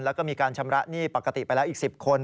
แล้วก็มีการชำระหนี้ปกติไปแล้วอีก๑๐คน